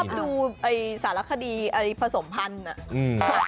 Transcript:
ผมชอบดูศาลคดีผสมพันธุ์